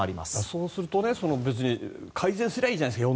そうすると別に改善すればいいじゃないですか。